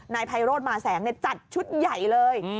ไพโรธมาแสงจัดชุดใหญ่เลย